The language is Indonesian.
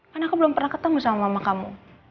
karena aku belum pernah ketemu sama mama kamu